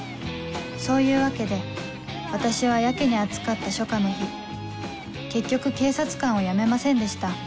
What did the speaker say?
そういうわけで私はやけに暑かった初夏の日結局警察官を辞めませんでした